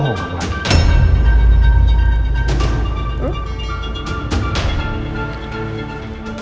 kamu ke sekolahnya renan